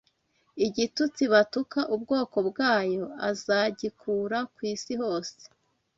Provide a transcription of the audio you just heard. igitutsi batuka ubwoko bwayo azagikura ku isi hose